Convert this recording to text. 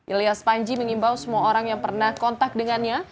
ilyas panji mengimbau semua orang yang pernah kontak dengannya